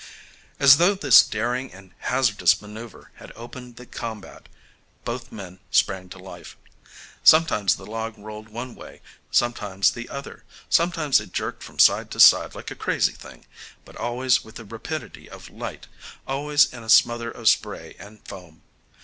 As though this daring and hazardous manoeuvre had opened the combat, both men sprang to life. Sometimes the log rolled one way, sometimes the other, sometimes it jerked from side to side like a crazy thing, but always with the rapidity of light, always in a smother of spray and foam.